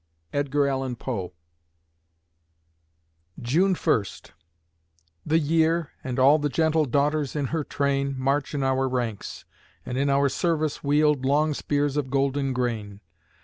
EDGAR ALLAN POE June First ... The year, And all the gentle daughters in her train, March in our ranks, and in our service wield Long spears of golden grain!